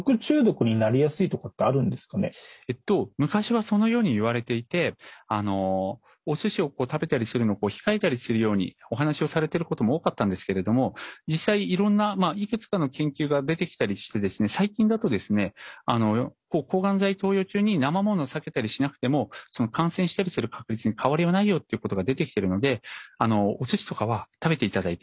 昔はそのようにいわれていてお寿司を食べたりするのを控えたりするようにお話をされてることも多かったんですけれども実際いろんないくつかの研究が出てきたりしてですね最近だとですね抗がん剤投与中になまものを避けたりしなくても感染したりする確率に変わりはないよっていうことが出てきているのでお寿司とかは食べていただいて大丈夫です。